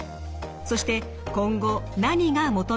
そして今後何が求められるのか？